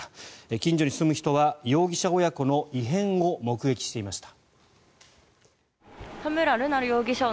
近所に住む人は容疑者親子の異変を目撃していました。